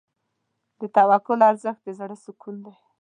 د توکل ارزښت د زړه سکون دی.